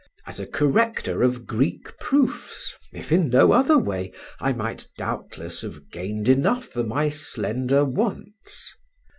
As a corrector of Greek proofs (if in no other way) I might doubtless have gained enough for my slender wants.